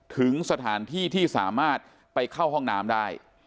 ถึงสถานที่ที่สามารถไปเข้าห้องน้ำได้